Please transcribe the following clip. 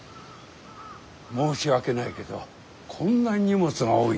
申し訳ないけどこんな荷物が多いんじゃ。